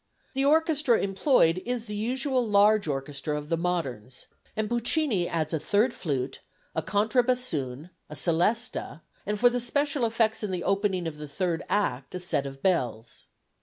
The orchestra employed is the usual large orchestra of the moderns, and Puccini adds a third flute, a contrabassoon, a celesta, and for the special effects in the opening of the third act a set of bells.